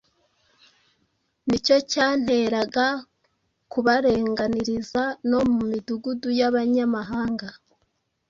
ni cyo cyanteraga kubarenganiriza no mu midugudu y’abanyamahanga.”